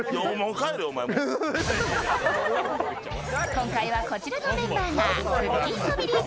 今回はこちらのメンバーがくっきー！